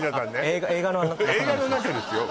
映画の中ですよ